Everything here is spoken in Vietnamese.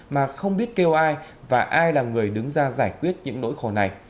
mà không biết kêu ai và ai là người đứng ra giải quyết những nỗi khổ này